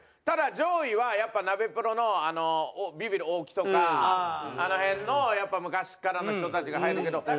ただ上位はやっぱナベプロのビビる大木とかあの辺のやっぱ昔っからの人たちが入るけど。